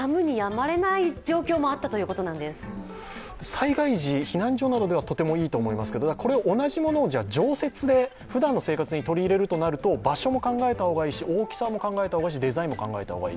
災害時、避難所などではとてもいいと思いますけど、これを同じものを常設でふだんの生活に取り入れるとなると場所も考えた方がいいし大きさも考えた方がいいし、デザインも考えた方がいい。